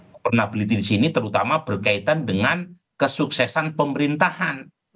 cornability di sini terutama berkaitan dengan kesuksesan pemerintahan